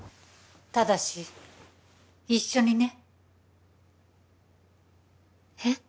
ただし一緒にねえっ？